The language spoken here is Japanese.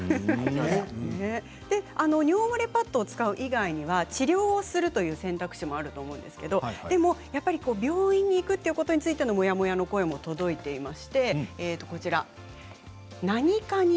尿漏れパッドを使う以外には治療するという選択肢もあると思うんですけども病院に行くということについてのモヤモヤの声も届いています。